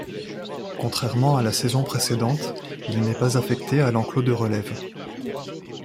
Contrairement à la saison précédente, il n'est pas affecté à l'enclos de relève.